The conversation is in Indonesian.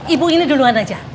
ibu ini duluan aja